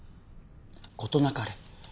事なかれ？